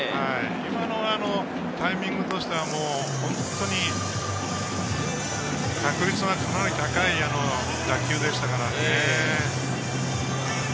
今のタイミングとしてはもう本当に確率がかなり高い打球でしたからね。